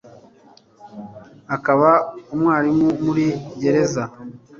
akaba umwarimu muri gereza